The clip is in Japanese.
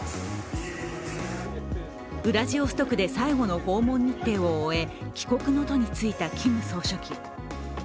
ウラジオストクで最後の訪問日程を終え帰国の途に就いたキム総書記。